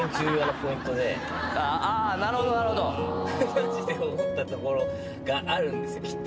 マジで思った所があるんですよきっと。